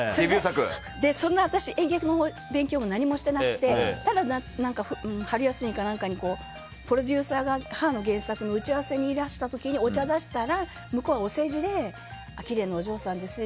私、演技の勉強も何もしていなくてただ、春休みか何かにプロデューサーが母の原作の打ち合わせにいらした時にお茶を出したら向こうはお世辞できれいなお嬢さんですね